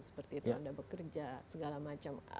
seperti itu anda bekerja segala macam